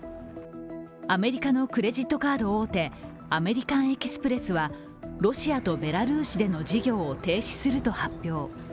アメリカのクレジットカード大手アメリカン・エキスプレスはロシアとベラルーシでの事業を停止すると発表。